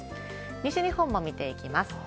西日本も見ていきます。